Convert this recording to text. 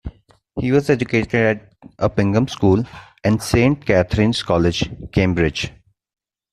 He was educated at Uppingham School and Saint Catharine's College, Cambridge.